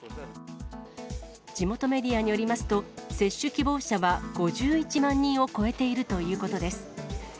地元メディアによりますと、接種希望者は５１万人を超えているということです。